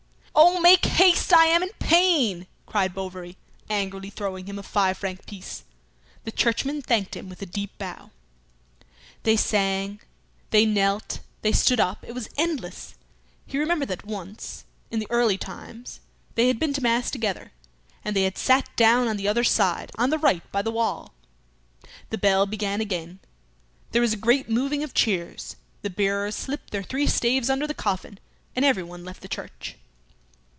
"Oh, make haste! I am in pain!" cried Bovary, angrily throwing him a five franc piece. The churchman thanked him with a deep bow. They sang, they knelt, they stood up; it was endless! He remembered that once, in the early times, they had been to mass together, and they had sat down on the other side, on the right, by the wall. The bell began again. There was a great moving of chairs; the bearers slipped their three staves under the coffin, and everyone left the church.